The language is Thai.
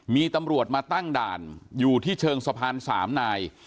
มีตำรวจมาตั้งด่านอยู่ที่เชิงสะพาน๓นาย